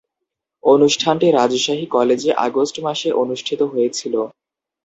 অনুষ্ঠানটি রাজশাহী কলেজে আগস্ট মাসে অনুষ্ঠিত হয়েছিলো।